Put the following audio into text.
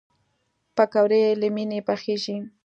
پکورې له مینې پخېږي